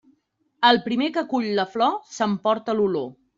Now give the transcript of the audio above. El primer que cull la flor, s'emporta l'olor.